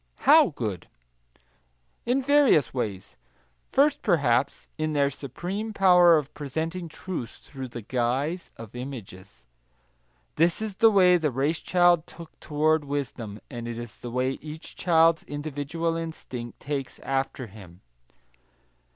How good? In various ways. First, perhaps, in their supreme power of presenting truth through the guise of images. This is the way the race child took toward wisdom, and it is the way each child's individual instinct takes, after him.